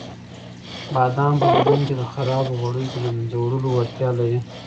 بادام په بدن کې د خرابو غوړیو د له منځه وړلو وړتیا لري.